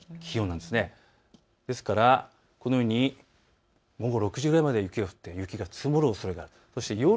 ですからこのように午後６時ぐらいまで降ったら雪が積もるおそれがある。